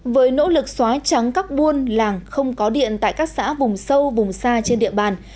với nỗ lực xóa trắng các buôn làng không có điện tại các xã vùng sâu vùng xa trên địa bàn